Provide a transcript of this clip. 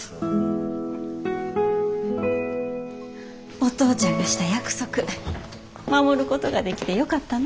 お父ちゃんがした約束守ることができてよかったな。